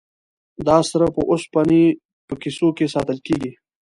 دا سره په اوسپنې په کیسو کې ساتل کیږي.